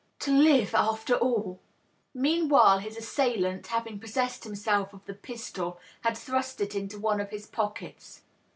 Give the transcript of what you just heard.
To live, after aUr Meanwhile, his assailant, having possessed himself of the pii^l, had thrust it into one of his pockets.